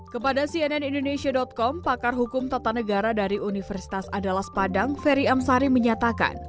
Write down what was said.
kepada cnnindonesia com pakar hukum tata negara dari universitas adalas padang ferry amsari menyatakan